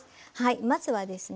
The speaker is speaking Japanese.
まずはですね